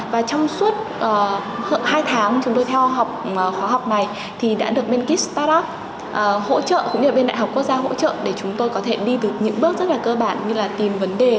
và trong suốt hai tháng chúng tôi theo khóa học này thì đã được bên kis startup hỗ trợ cũng như là bên đại học quốc gia hỗ trợ để chúng tôi có thể đi từ những bước rất là cơ bản như là tìm vấn đề